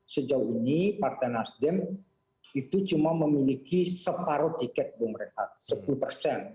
sejauh ini partai nasdem itu cuma memiliki separuh tiket bung rehat sepuluh persen